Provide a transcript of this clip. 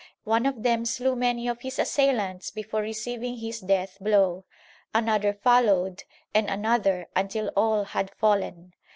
One of them slew many of his assailants before receiving his death blow. Another followed and another until all had fallen.